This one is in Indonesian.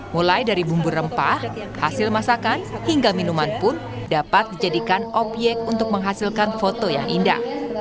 mulai dari bumbu rempah hasil masakan hingga minuman pun dapat dijadikan obyek untuk menghasilkan foto yang indah